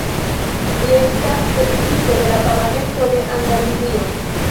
Li estas deputito de la Parlamento de Andaluzio.